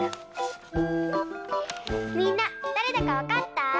みんなだれだかわかった？